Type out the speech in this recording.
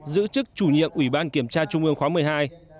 giữ chức chủ nhiệm ủy ban kiểm tra trung ương khóa một mươi hai